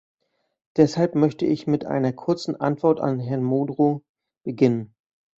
Deshalb möchte ich mit einer kurzen Antwort an Herrn Modrow beginnen.